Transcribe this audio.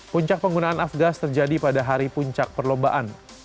puncak penggunaan afgas terjadi pada hari puncak perlombaan